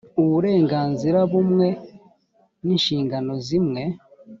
uburenganzira bumwe n inshingano zimwe